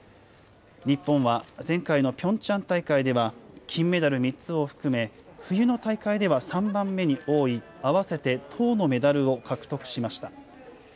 日本は、前回のピョンチャン大会では、金メダル３つを含め、冬の大会では３番目に多い、合わせて１０のメダルを獲得しました。